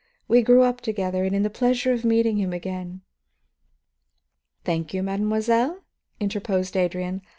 We grew up together; and in the pleasure of meeting him again " "Thank you, mademoiselle," interposed Adrian.